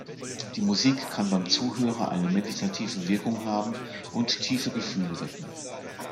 Die Musik kann beim Zuhörer eine meditative Wirkung haben und tiefe Gefühle wecken.